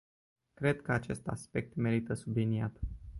Cred că acest aspect merită subliniat.